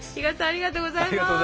ありがとうございます。